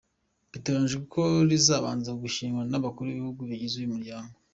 Biteganyijwe ko rizabanza gusinywa n’abakuru b’ibihugu bigize uyu muryango.